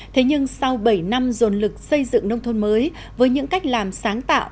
thế nhưng sau bảy năm dồn lực xây dựng nông thôn mới với những cách làm sáng tạo